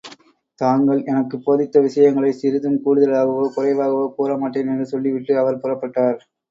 தாங்கள் எனக்குப் போதித்த விஷயங்களைச் சிறிதும் கூடுதலாகவோ, குறைவாகவோ கூற மாட்டேன் என்று சொல்லி விட்டு அவர் புறப்பட்டார்.